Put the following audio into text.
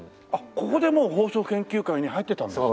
ここでもう放送研究会に入ってたんですか。